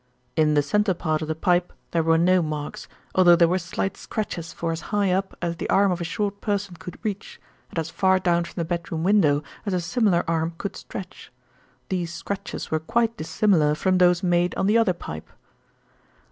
"In the centre part of the pipe there were no marks, although there were light scratches for as high up as the arm of a short person could reach, and as far down from the bedroom window as a similar arm could stretch. These scratches were quite dissimilar from those made on the other pipe."